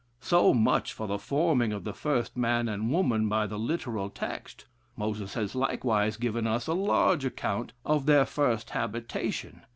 So much for the forming of the first man and woman by the literal text. Moses has likewise given us a large account of their first habitation.